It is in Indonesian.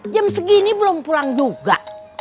jam segini belum pulang juga